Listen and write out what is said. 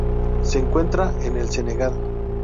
Se encuentra en el Senegal.